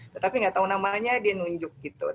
tetapi tidak tahu namanya dia menunjukkan